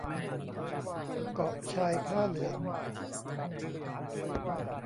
เกาะชายผ้าเหลือง